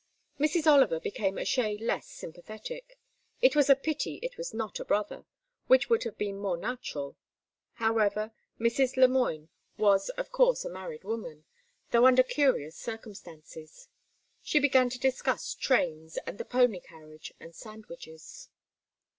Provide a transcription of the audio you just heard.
Mrs. Oliver became a shade less sympathetic. It was a pity it was not a brother, which would have been more natural. However, Mrs. Le Moine was, of course, a married woman, though under curious circumstances. She began to discuss trains, and the pony carriage, and sandwiches.